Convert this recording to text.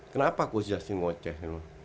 kenapa aku siasin ngoceh